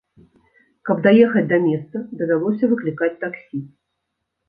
Каб даехаць да месца, давялося выклікаць таксі.